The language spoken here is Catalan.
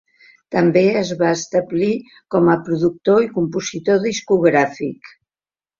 També es va establir com a productor i compositor discogràfic.